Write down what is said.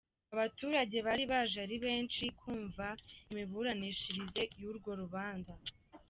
Abaturage bari baje ari benshi kumva imiburanishirize y’urwo rubanza.